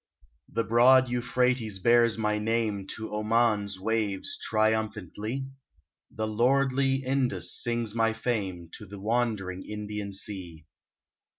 The broad Euphrates bears my name To Oman's waves triumphantly ; The lordly Indus sings my fame To the wondering Indian sea.